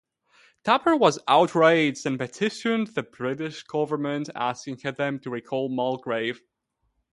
Tupper was outraged and petitioned the British government, asking them to recall Mulgrave.